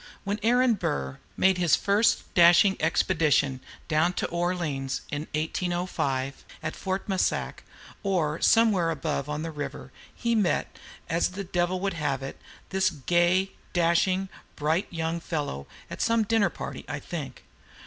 When Aaron Burr [Note 5] made his first dashing expedition down to New Orleans in 1805, at Fort Massac, or somewhere above on the river, he met, as the Devil would have it, this gay, dashing, bright young fellow; at some dinner party, I think.